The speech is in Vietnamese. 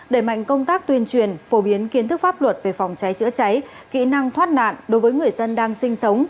đẩy mạnh công tác tuyên truyền phổ biến kiến thức pháp luật về phòng cháy chữa cháy kỹ năng thoát nạn đối với người dân đang sinh sống